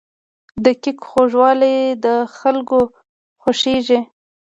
د کیک خوږوالی د خلکو خوښیږي.